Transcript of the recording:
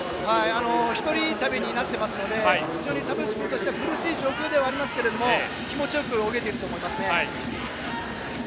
１人旅になっていますので田渕君としては苦しい状況ではありますが気持ちよく泳げていると思います。